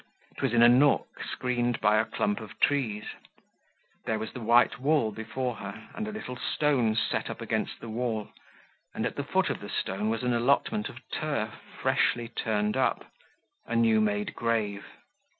It was in a nook, screened by a clump of trees; there was the white wall before her, and a little stone set up against the wall, and, at the foot of the stone, was an allotment of turf freshly turned up, a new made grave.